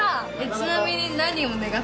ちなみに。